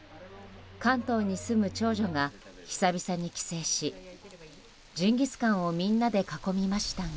関東に住む長女が久々に帰省しジンギスカンをみんなで囲みましたが。